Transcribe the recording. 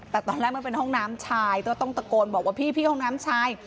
แต่ตอนแรกมันเป็นห้องน้ำชายก็ต้องตะโกนบอกว่าพี่ห้องน้ำชาย